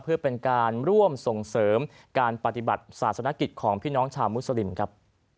เพื่อเป็นการร่วมส่งเสริมการปฏิบัติศาสนกิจของพี่น้องชาวมุสลิมครับ